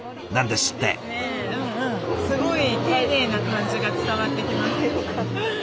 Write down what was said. すごい丁寧な感じが伝わってきます。